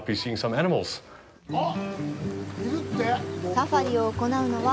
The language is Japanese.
サファリを行うのは